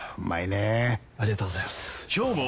ありがとうございます！